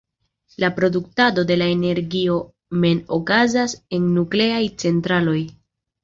La produktado de la energio mem okazas en nukleaj centraloj.